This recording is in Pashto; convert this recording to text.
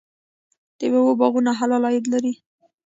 د میوو باغونه حلال عاید لري.